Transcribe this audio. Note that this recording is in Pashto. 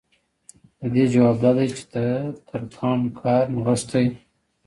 د دې ځواب دا دی چې د ترکاڼ کار نغښتی